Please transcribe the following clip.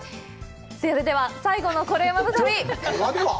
それでは最後の「コレうまの旅」。